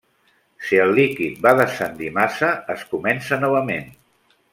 Si el líquid va descendir massa, es comença novament.